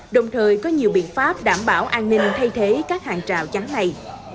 đồng thời có nhiều biện pháp đảm bảo an ninh thay thế các hàng rào chắn này